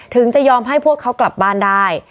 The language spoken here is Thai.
จะยอมให้พวกเขากลับบ้านได้